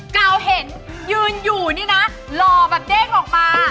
กาวเห็นยืนอยู่นี่นะหล่อแบบเด้งออกมา